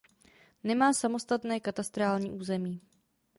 Nemá samostatné katastrální území.